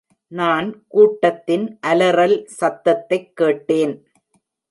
நான் கூட்டத்தின் அலறல் சத்தத்தைக் கேட்டேன்.